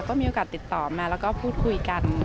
ก็มีโอกาสติดต่อมาแล้วก็พูดคุยกัน